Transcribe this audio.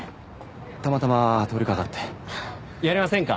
たまたま通りかかってやりませんか？